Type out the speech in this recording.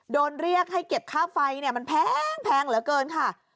โดนเรียกให้เก็บค่าไฟมันแพงเหลือเกินค่ะ